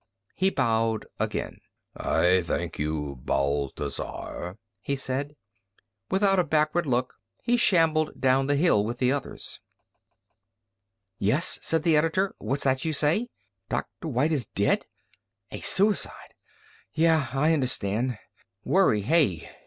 He bowed again. "I thank you, Bathazar," he said. Without a backward look he shambled down the hill with the others. "Yes?" said the editor. "What's that you say? Doctor White is dead! A suicide! Yeah, I understand. Worry, hey!